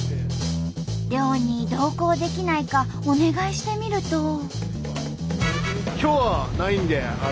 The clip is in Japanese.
漁に同行できないかお願いしてみると。